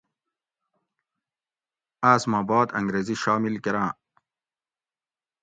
آۤس ما باد انگریزی شامل کۤراۤں۔